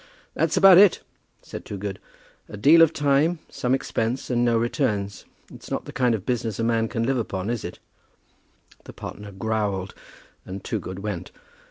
"That's about it," said Toogood. "A deal of time, some expense, and no returns. It's not the kind of business a man can live upon; is it?" The partner growled, and Toogood went.